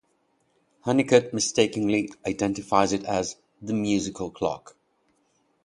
Hunnicutt mistakenly identifies it as "The Musical Clock."